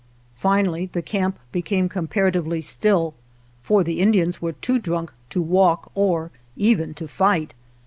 Finally the camp became comparatively still, for the In dians were too drunk to walk or even to fight.